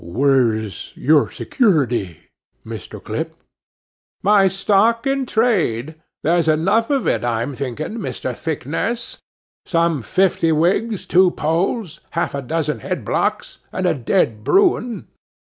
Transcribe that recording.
'Where's your security, Mr. Clip?' 'My stock in trade,—there's enough of it, I'm thinking, Mr. Thicknesse. Some fifty wigs, two poles, half a dozen head blocks, and a dead Bruin.